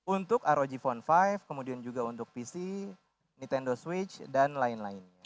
untuk rog phone lima kemudian juga untuk pc nintendo switch dan lain lainnya